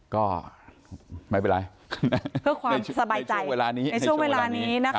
ก็ไม่เป็นไรเพื่อความสบายใจในช่วงเวลานี้นะคะ